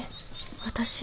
私